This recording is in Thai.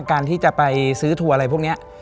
การที่จะไปซื้อทัวร์อะไรพวกนี้